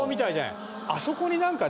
あそこになんかね